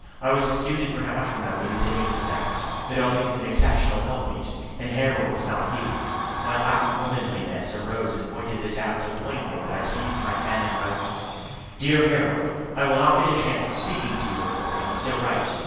I was as suited for matrimony as any of the sex, but only with an exceptional helpmeet and Harold was not he. My latent womanliness arose and pointed this out so plainly that I seized my pen and wrote: DEAR HAROLD, I will not get a chance of speaking to you in the morning, so write.